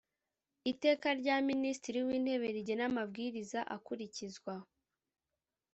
Iteka rya Minisitiri w Intebe rigena amabwiriza akurikizwa.